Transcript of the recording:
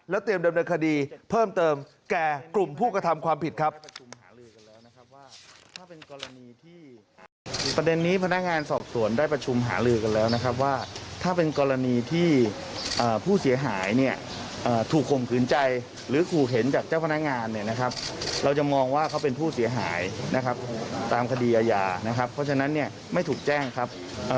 เตรียมดำเนินคดีเพิ่มเติมแก่กลุ่มผู้กระทำความผิดครับ